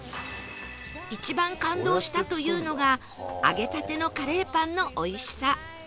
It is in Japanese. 一番感動したというのが揚げたてのカレーパンのおいしさ